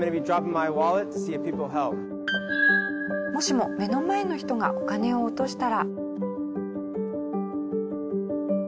もしも目の前の人がお金を落としたら。